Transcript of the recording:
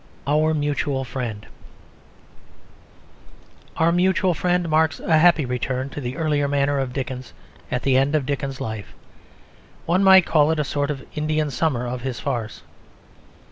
OUR MUTUAL FRIEND Our Mutual Friend marks a happy return to the earlier manner of Dickens at the end of Dickens's life. One might call it a sort of Indian summer of his farce.